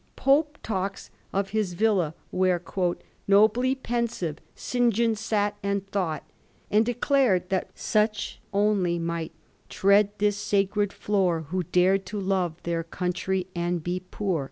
Pope talks of his villa where, * nobly pensive, St. John sat and thought/ and declared that such only might Tread this sacred floor, Who dare to lore their country and be poor.